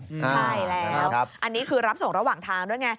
ใช่แล้วอันนี้คือรับส่งระหว่างทางด้วยไง